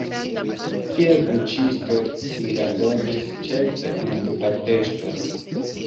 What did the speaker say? Kiel buĉisto li laboris ĉefe en Budapeŝto.